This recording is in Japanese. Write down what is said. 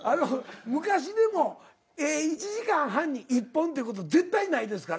昔でも１時間半に１本ってこと絶対ないですから。